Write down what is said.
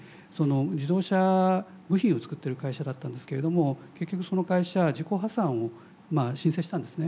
自動車部品を作っている会社だったんですけれども結局その会社自己破産を申請したんですね。